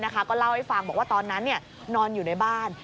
ก็เล่าให้ฟังบอกว่าตอนนั้นนอนอยู่ในบ้าน